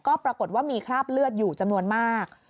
ก็ปรากฏว่ามีคราบเลือดอยู่จำนวนมาก